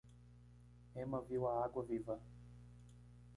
Emma viu a água-viva.